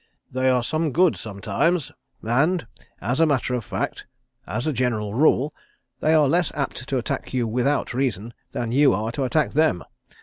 They are some good sometimes, and, as a matter of fact, as a general rule, they are less apt to attack you without reason than you are to attack them.